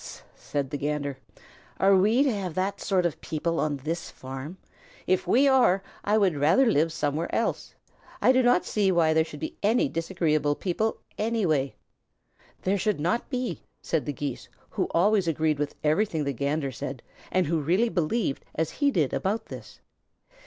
"S s s s s s s!" said the Gander. "Are we to have that sort of people on this farm? If we are, I would rather live somewhere else. I do not see why there should be any disagreeable people anyway." "There should not be," said the Geese, who always agreed with everything the Gander said, and who really believed as he did about this.